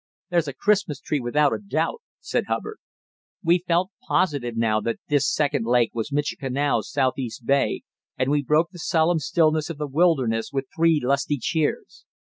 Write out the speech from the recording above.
"There's a Christmas tree without a doubt," said Hubbard. We felt positive now that this second lake was Michikamau's southeast bay, and we broke the solemn stillness of the wilderness with three lusty cheers.